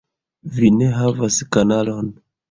Vi ne havas kanalon